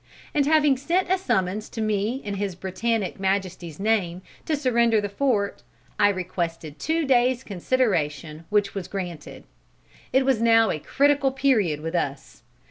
And having sent a summons to me in His Britannic Majesty's name to surrender the fort, I requested two days' consideration which was granted. It was now a critical period with us.